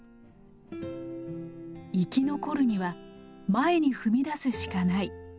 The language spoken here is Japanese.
「生き残るには前に踏み出すしかない」。